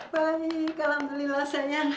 baik alhamdulillah sayang